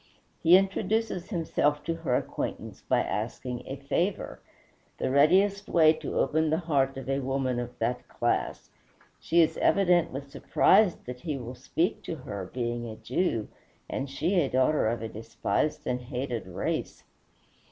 He introduces himself to her acquaintance by asking a favor, the readiest way to open the heart of a woman of that class. She is evidently surprised that he will speak to her, being a Jew, and she a daughter of a despised and hated race.